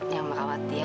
yang merawat dia